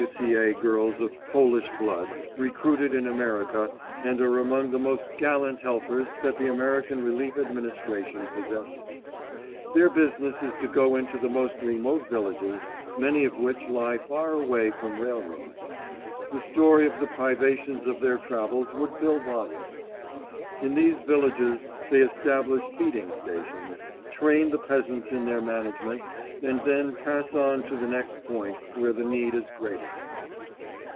W. C. A. girls of Polish blood, recruited in America, and are among the most gallant helpers that the American Relief Administration possesses. Their business is to go into the most remote villages, many of which lie far away from railroads. The story of the privations of their travels would fill volumes. In these villages they establish feeding stations, train the peasants in their management and then pass on to the next point where the need is greatest.